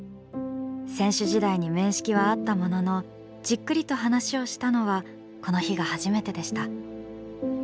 選手時代に面識はあったもののじっくりと話をしたのはこの日が初めてでした。